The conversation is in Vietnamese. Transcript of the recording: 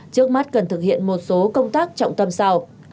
trước mắt cần thực hiện một số công tác trọng tâm sau